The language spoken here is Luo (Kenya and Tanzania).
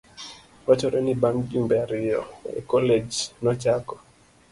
Wachore ni bang' jumbe ariyo e kolej, nochako